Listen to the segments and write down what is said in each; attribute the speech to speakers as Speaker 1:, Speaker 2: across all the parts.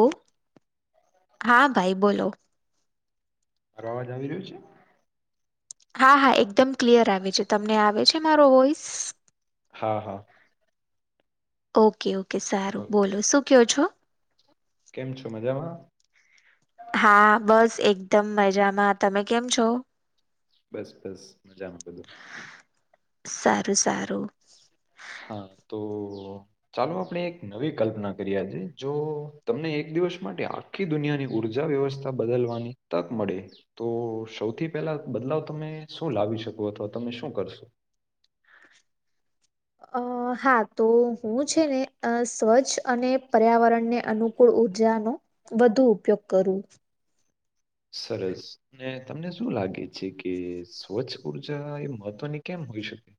Speaker 1: ઓ હા ભાઈ બોલો?
Speaker 2: અવાજ આવી રહ્યો છે?
Speaker 1: હા હા એકદમ ક્લિયર આવે છે, તમને આવે છે મારો વોઇસ?
Speaker 2: હા હા.
Speaker 1: ઓકે ઓકે સારું
Speaker 2: ઓકે.
Speaker 1: બોલો શું કહો છો?
Speaker 2: કેમ છો મજામાં?
Speaker 1: હા બસ એકદમ મજામાં, તમે કેમ છો?
Speaker 2: બસ બસ મજામાં બધો.
Speaker 1: સારું સારું.
Speaker 2: હા તો ચાલો આપણે એક નવી કલ્પના કરીએજે જો તમને એક દિવસ માટે આખી દુનિયાની ઉર્જા વ્યવસ્થા બદલવાની તક મળે તો સૌથી પહેલા બદલાવ તમે શું લાવી શકો અથવા તમે શું કરશો?
Speaker 1: અ હા તો હું છે ને સ્વચ્છ અને પર્યાવરણને અનુ [inaudible] ઉર્જાનો વધુ ઉપયોગ કરવું.
Speaker 2: સરસ. ને તમને શું લાગે છે કે સ્વચ્છ ઉર્જા એ મહત્વની કેમ હોય શકે?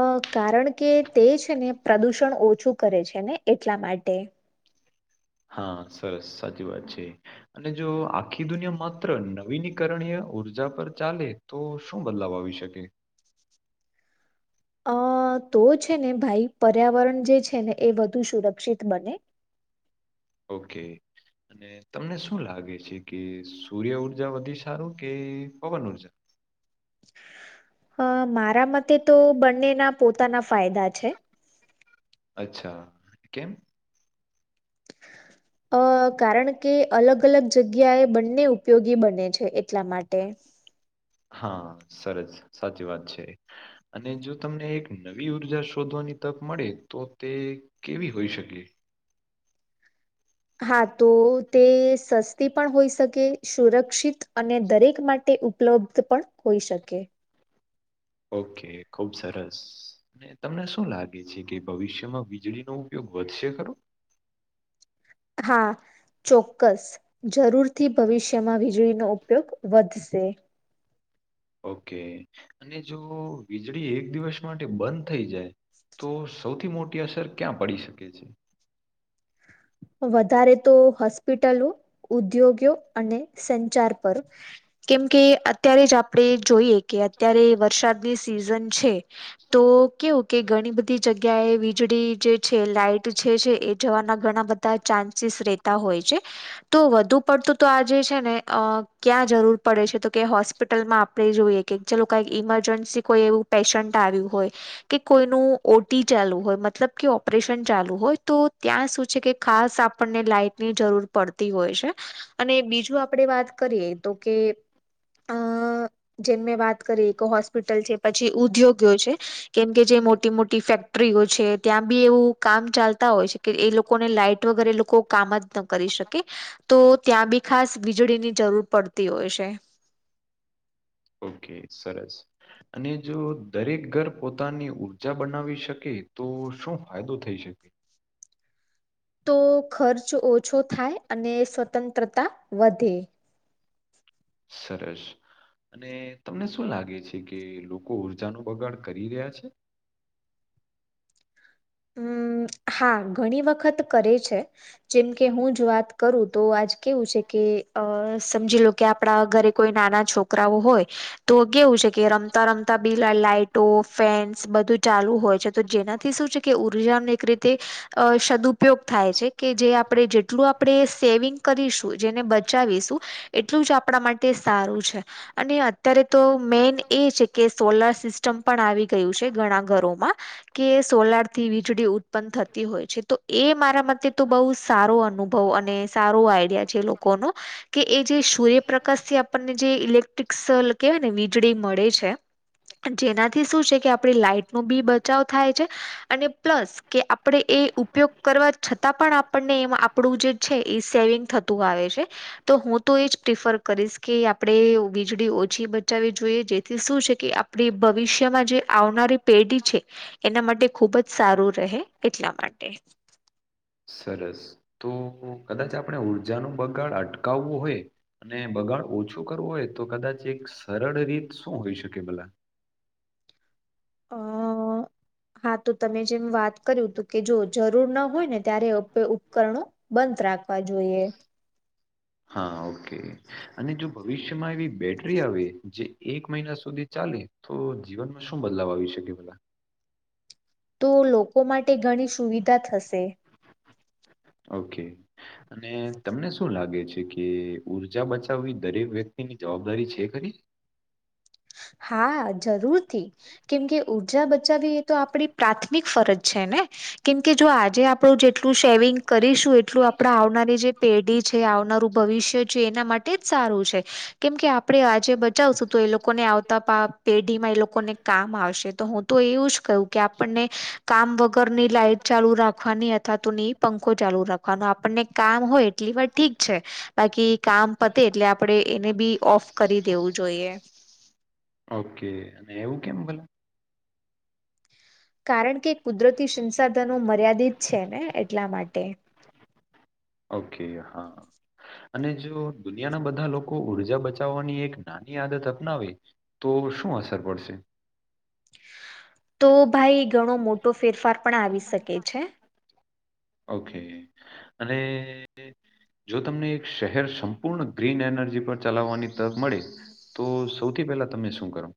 Speaker 1: અ કારણ કે તે છે ને પ્રદુષણ ઓછું કરે છે ને એટલા માટે.
Speaker 2: હા સરસ સાચી વાત છે અને જો આખી દુનિયા માત્ર નવીનીકરણીય ઉર્જા પર ચાલે તો શું બદલાવ આવી શકે
Speaker 1: અ તો છે ને ભાઈ પર્યાવરણ જે છે ને એ વધુ સુરક્ષિત બને
Speaker 2: ઓકે. અને તમને શું લાગે છે કે સૂર્ય ઉર્જા વધી સારું કે પવન ઉર્જા?
Speaker 1: અ મારા મતે તો બંનેના પોતાના ફાયદા છે.
Speaker 2: અચ્છા, કેમ?
Speaker 1: અ કારણ કે અલગ અલગ જગ્યાએ બંને ઉપયોગી બને છે એટલા માટે
Speaker 2: હા સરસ સાચી વાત છે અને જો તમને એક નવી ઉર્જા શોધવાની તક મળે તો તે કેવી હોઈ શકે.
Speaker 1: હા તો તે સસ્તી પણ હોઈ શકે સુરક્ષિત અને દરેક માટે. ઉપલબ્ધ પણ હોઈ શકે.
Speaker 2: ઓકે ખુબ સરસ. અને તમને શું લાગે છે કે ભવિષ્યમાં વીજળીનોો ઉપયોગ વધશે ખરો.
Speaker 1: હા ચોક્કસ જરૂર. થી ભવિષ્યમાં વીજળીનો ઉપયોગ વધશે.
Speaker 2: ઓકે અને જો વીજળી એક દિવસ માટે બંધ થઈ જાય. તો સૌથી મોટી અસર ક્યાં પડી શકે છે.
Speaker 1: વધારે તો હોસ્પિટલો ઉદ્યોગો અને સંચાર પર. કેમ કે અત્યારે જ આપણે જોઈએ કે અત્યારે વરસાદની સિઝન છે. તો કેવું કે ઘણી બધી જગ્યાએ વીજળી જે છે લાઈટ જે છે એ જવાના ઘણા બધા. ચાન્સીસ રહેતા હોય છે. તો વધુ પડતું તો આજે છે ને ક્યાં જરૂર પડે છે તો કેસ્. હોસ્પિટલમાં આપણે જોઈએ કે જે લોકો કઈક ઈમરજન્સી કોઈ એવું પેશન્ટ આવ્યું હોય. કે કોઈનું ઓટી ચાલુ હોય મતલબ કે ઓપરેશન ચાલુ હોય તો ત્યાં શું છે કે. ખાસ આપણને લાાઈટની જરૂર પડતી હોય છે. અને બીજું આપડે વાત કરીએ તો કે. અ જેમ મેં વાત કરી કે હોસ્પિટલ છે પછી ઉદ્યોગીઓ છે. કેમ કે જે મોટી મોટી ફેક્ટરીઓ છે ત્યાં બી એવું કામ ચાલતા હોય છે કે એ લોકોને લાઈટ. વગેરે લોકો કામ જ ન કરી શકે. તો ત્યાં બી ખાસ વીજળી ની જરૂર પડતી હોય છે.
Speaker 2: ઓકે સરસ. અને જો દરેક ઘર પોતાની ઉઊર્જા બનાવી શકે તો શું ફાયદો થઈ શકે.
Speaker 1: તો ખર્ચ ઓછો થાય અને સ્વતંત્રતા વધે.
Speaker 2: સરરેજ. અને તમને શું લાગે છે કે લોકો ઊર્જા ન બગાડ કરી રહ્યા છે.
Speaker 1: હમ હા ઘણી વખત કરે છે. જેમ કે હું જો વાત કરું તો આજ કેવું છે કે અ સમજી લો. કે આપણા ઘરે કોઈ નાના છોકરાઓ હોય. તો કેવું છે કે રમતા રમતા બિલ લાાઈટો ફેન્સ બધું ચાલુ હોય છે તો જેનાથી શું છે. કે ઉર્જાને રીતે. અ સદુપયોગ થાય છે કે જે આપણે જેટલું આપણે સેવિંગ કરીશું જેને બચાવીશું. એટલું જ આપણા માટે સારું છે. અને અત્યારે તો મેન એ છે કે સોલાર સિસ્ટમ પણ આવી ગયું છે ઘણા ઘરોમાં. કે સોલર. થી વીજળી ઉત્પન્ન થતી હોય છે તો એ મારા માટે તો બહુ સારો અનુભવ અને સારું આઈડિયા છે લોકો ન કે એ જે સૂર્યપ્રકાશ થી આપણને જે ઇલેક્ટ્રિક કેહેવાય ને વીજળી મળે છે. જેનાથી શું છે કે આપડી લાાઈટ ન બી બચાવ થાય છે અને પ્લસ. કે આપણેે એ ઉપયોગ કરવા છતાં પણ આપણને એમાં આપણું જે છે એ સેવિંગ થતું આવે છે. તો હું તો એ જ પ્રિફર કરીશ કે આપણે વીજળી ઓછી બચાવવી જોઈએ જેથી શું છે ક આપડી ભવિષ્યમાં જે આવનારી પેઢી છે એના માટે ખૂબ જ. સારું રહે એટલા માટે.
Speaker 2: સરસ તો કદાચ આપણે ઉર્જાનું બગાડ અટકાવવું હોય. અને બગાડ ઓછું કરવું હોય તો કદાચ એક સરળ રીત શું હોઈ શકે ભલા.
Speaker 1: આ. હા તો તમે જેમ વાત કર્યું તો કે જો જરૂર ના હોય ને ત્યારે ઉપકરણો. બંધ રાખવા જોઈએ.
Speaker 2: હા ઓકે અને જો ભવિષ્યમાં એવી બેટરી આવે જે એક મહિના સુધી ચાલે તો જીવનમાં શું બદલાવ આવી શકે પેલા?
Speaker 1: તો લોકો માટે ઘણી સુવિધા થશે.
Speaker 2: ઓકે. અને તમને શું લાગે છે કે ઉર્જા બચાવવી દરેક વ્યક્તિની જવાબદારી છે ખરી
Speaker 1: હા જરૂરથી. કેમકે ઉઊર્જા બચાવવી એ તો આપણી પ્રાથમિક ફરજ છે ને. કેમકે જો આજે આપડું જેટલું શેવિંગ કરીશું એટલું આપણે આવનારી જે પેઢી છે આવનારું ભવિષ્ય છે એના માટે જ સારું છે. કેમ કે આપડે આજે બચાવશું તો એ લોકોને આવ તપ આ પેઢીમાં એ લોકોને કામ આવશે તો હું તો એવું જ કહું કે આપણને કામ વગર ની લાઈટ ચાલુ રાખવાની અથવા તોની પંખો ચાલુ રાખવાનું આપણને કામ હોય એટલી વાર ઠીક છે. બાકી કામ પતે એટલે આપડે એને બી ઓફ કરી દેવું જોઈએ.
Speaker 2: ઓકે અને એવું કેમ ભલે
Speaker 1: કારણ કે કુદરતી સંસાધનો મર્યાદિત છે ને એટલા માટે.
Speaker 2: ઓકે હા. અને જો દુનિયાના બધા લોકો ઉઊર્જા બચાવવાની એક નાની આદત અપનાવે તો શું અસર પડશે?
Speaker 1: તો ભાઈ ઘણો મોટો ફેરફાર પણ આવી શકે છે.
Speaker 2: ઓકે અને જો તમને એક શહેર સંપૂર્ણ ગ્રીન એનર્જી પર ચલાવવાની તક મળે તો સૌથી પહેલા તમે શું કરો?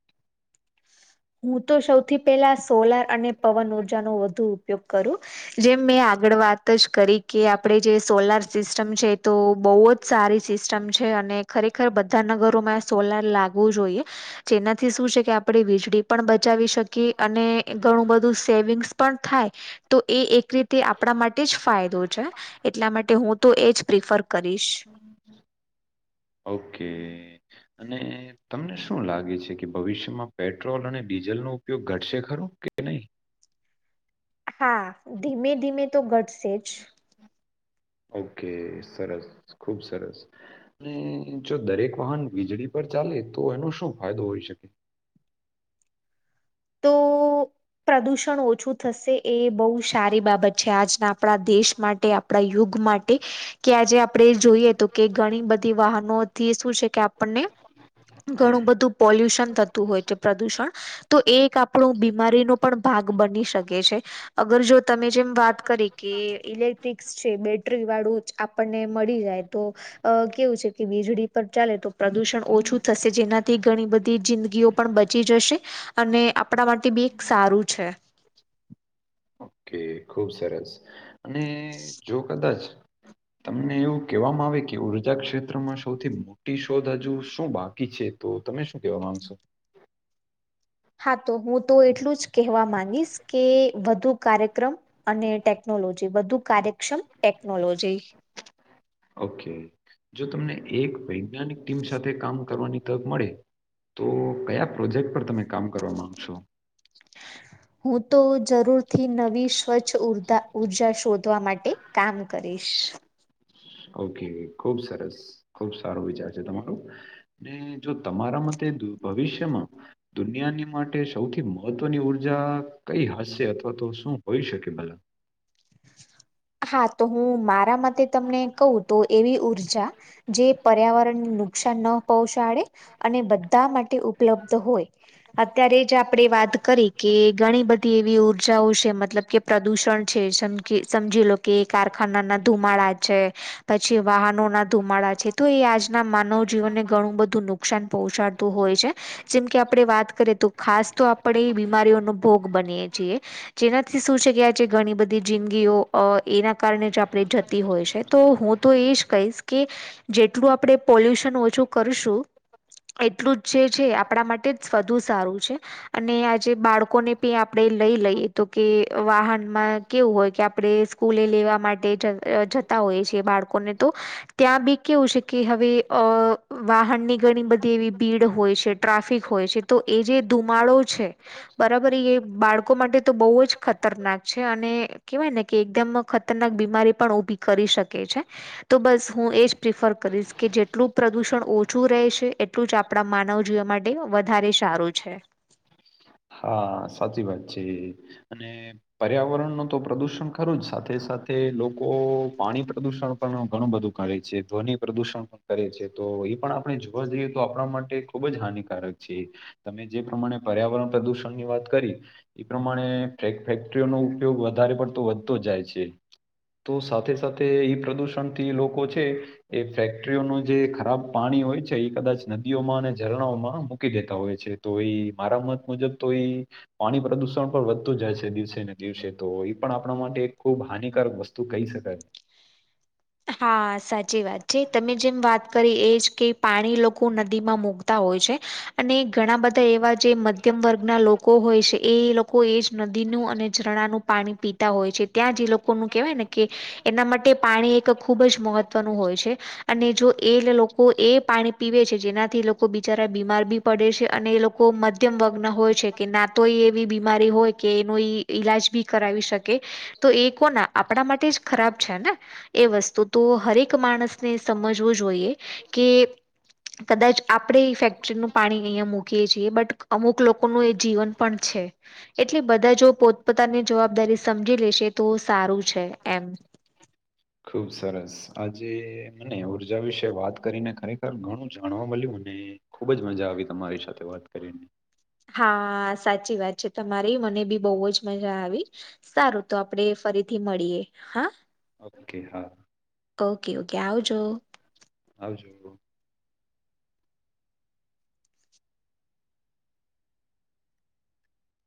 Speaker 1: હું તો સૌથી પહેલા સોલાર અને પવન ઉઊર્જાનોો વધુ ઉપયોગ કરું. જેમ મેં આગળ વાત જ કરી કે આપણે જે સોલાર સિસ્ટમ છે તો બહુ જ સારી સિસ્ટમ છે અને ખરેખર બધા નગરોમાં સોલાર લાગવું જોઈએ. જેનાથી શું છે કે આપણે વીજળી પણ બચાવી શકી અને ઘણું બધું સેવિંગ્સ પણ થાય. તો એ એક રીતે આપણા માટે જ ફાયદો છે. એટલા માટે હું તો એજ પ્રિફર કરીશ.
Speaker 2: ઓકે. અને તમને શું લાગે છે કે ભવિષ્યમાં પેટ્રોલ અને ડીઝલ નો ઉપયોગ ઘટશે ખરો કે નહીિ,
Speaker 1: હા ધીમે ધીમે તો ઘટશે જ
Speaker 2: ઓકે સરસ ખુબ સરસ. અને જો દરેક વાહન વીજળી પર ચાલે તો એનો શું ફાયદો હોઈ શકે.
Speaker 1: તો
Speaker 2: [inaudible]
Speaker 1: પ્રદૂષણ ઓછું થશે એ બહુ સારી બાબત છે આજના આપણા દેશ માટે આપણા યુગ માટે કે આજે આપણે જોઈએ તો કે ઘણી બધી વાહનો શું છે કે આપણને ઘણું બધું પોલ્યુશનતું હોય છે પ્રદૂષણ તો એ એક આપણું બીમારીનો પણ ભાગ બની શકે છે. અગર જો તમે જેમ વાત કરી કે ઈલેક્ટ્રીકસ છે બેટરી વાળું જ આપણને મળી જાય તો. અ કેવું છે કે વીજળી પર ચાલે તો પ્રદુષણ ઓછું થશે જેનાથી ઘણી બધી જિંદગીઓ પણ બચી જશે અને આપણા માટે બી એક સારું છે.
Speaker 2: ખુબ સરસ અને જો કદાચ તમને એવું કહેવામાં આવે કે ઉર્જા ક્ષેત્રમાં સૌથી મોટી શોધ હજુ શું બાકી છે? તો તમે શું કેવા માંગશો.
Speaker 1: હા તો હું તો એટલું જ કહેવા માંગીશ કે વધુ કાર્યક્રમ અને ટેકનોલોજી બધું કાર્યક્ષમ ટેકનોલોજી
Speaker 2: ઓકે જો તમને એક વૈજ્ઞાનિક ટીમ સાથે કામ કરવાની તક મળે તો કયા પ્રોજેક્ટ પર તમે કામ કરવા માંગશો. [unintelligible]
Speaker 1: હું તો જરૂર થી નવી સ્વચ્છ ઉરધા ઉર્જા શોધવા માટે કામ કરીશ.
Speaker 2: ઓકે ખુબ સરસ ખુબ સારો વિચાર છે તમારું ને જો તમારા મતે ભવિષ્યમાં દુનિયાની માટે સૌથી મહત્વની ઊર્જા કઈ હશે અથવા તો શું હોઈ શકે બલા.
Speaker 1: હા તો હું મારા મતે તમને કહું તો એવી ઉર્જા જે પર્યાવરણને નુકસાન ન પહોંચાડે અને બધા માટે ઉપલબ્ધ હોય. અત્યારે જ આપડે વાત કરી કે ઘણી બધી એવી ઉર્જાઓ છે મતલબ કે પ્રદુષણ છે સમખી સમજી લો. કે કારખાના ના ધુમાડા છે. પછી વાહનો ના ધુમાડા છે તો એ આજના માનવ જીવનને ઘણું બધું નુક. નુકસાન પહોંચાડતું હોય છે. જેમ કે આપણે વાત કરીએ તો ખાસ તો આપણે એ બીમારીઓનો ભોગ બનીએ છીએ જેનાથી શું છે કે આ છેે ઘણી બધી જિંદગીઓ અ. એના કારણે જ આપણે જતી હોય છે તો હું તો એ જ કહીશ કે જેટલું આપણેે પોલ્યુશન ઓછું કરશું એટલું છે છે આપણા માટે વધુ સારું છે. અને આજે બાળકોને પિ આપણે લઈ લઈએ તો કે વાહનમાં કેવું હોય કે આપણે સ્કૂલે લેવા માટે જ જતા હોય છેએ બાળકોને તો. ત્યાં બી કેવું છે કે હવે અ વાહનની ઘણી બધી એવી ભીડ હોય છે. ટ્રાફિક હોય છે તો એ જે ધુમાડો છે. બરાબર એ બાળકો માટે તો બહુ જ ખતરનાક છે અને કેવાય ને કે. તેમ ખતરનાક બીમારી પણ ઉભી કરી શકે છે. તો બસ હું એજ પ્રિફર કરીશ કે જેટલું પ્રદુષણ ઓછું રહેશે એટલું જ આપણા માનવ જીવન માટે વધારે સારું છે.
Speaker 2: હા સાચી વાત છે અને. પર્યાવરણ નુ તો પ્રદુષણ ખરું જ સાથે સાથે લોકો પાણી પ્રદુષણ પણ ઘણું બધું કરે છે ધ્વનિ પ્રદુષણ પણ કરે છે તો એ પણ આપણે જોવા જઈએ તો આપણા માટે ખુબ જ હાનિકારક છે તમે જે પ્રમાણે પર્યાવરણ પ્રદુષણ ની વાત કરી એ પ્રમાણે ફેક ફેક્ટરીઓનો ઉપયોગ વધારે પડતો વધતો જાય છે. તો સાથે સાથે એ પ્રદુષણથી લોકો છે્ એ ફેક્ટરીઓનું જે ખરાબ પાણી હોય છે એ કદાચ નદીઓમાં અને ઝરણાઓમાં મૂકી દેતા હોય છે. તો એ મારા મત મજબ તો એ. પાણી પ્રદુષણ પણ વધતું જાય છે દિવસે ને દિવસે તો એ પણ આપણા માટે એક ખૂબ હાનિકારક વસ્તુ તુ કહી શકાય.
Speaker 1: હા સાચી વાત છે તમે જેમ વાત કરી એજ કે પાણી લોકો નદીમાં મુકતા હોય છે. અને ઘણા બધા એવા જે મધ્યમ વર્ગના લોકો હોય છે, એ લોકો એ જ નદીનું અને ઝણાનું. પાણી પીતા હોય છે ત્યાં જે એ લોકો ને કેહેવાય ને કે એના માટે પાણી એક ખૂબ જ મહત્વનું હોય છે અને જો એ લોકો એ પાણી પીવે છે જેનાથી લોકો બિચારા બીમાર બી પડે છે અને એ લોકો મધ્યમ વર્ગના હોય છે કે ના તોય એવી બીમારી હોય કે એનું ઈલાજ બી કરાવી શકે તો એ કોના આપણા માટે જ ખરાબ છે ને. એ વસ્તુ તો હરેક માણસને સમજવું જોઈએ કે કદાચ આપણે એ ફેક્ટરીનું પાણી અહીયાંયા મૂકીએ છીએ બટ અમુક લોકોનું એ જીવન પણ છે. એટલે બધા જો પોતપોતાની જવાબદારી સમજી લેશે તો સારું છે એમ.
Speaker 2: ખુબ સરસ આજે મને ઊર્જા વિશે વાત કરીને ખરેખર ઘણું જાણવા મલ્યુ અને. ખુબ જ મજા આવી તમારી સાથે વાત કરીને
Speaker 1: હા, સાચી વાત છે તમારી. મને પણ બહુ જ મજા આવી. સારું, તો આપણે ફરીથી મળીએ. હા.
Speaker 2: ઓકે, હા.
Speaker 1: Okay, okay. આવજો.
Speaker 2: આવજો.